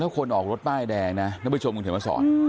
แล้วคนออกรถป้ายแดงนะน้ำพักชมคงเสียมาสอน